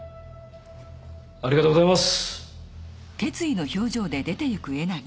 ありがとうございます。